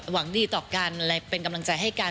หวังดีต่อกันและเป็นกำลังใจให้กัน